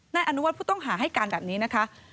นายอนุวัฒน์ผู้ต้องหาให้การแบบนี้นะคะ